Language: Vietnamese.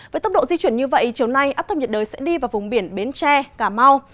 với tốc độ di chuyển như vậy chiều nay áp thấp nhiệt đới sẽ đi vào vùng biển bến tre cà mau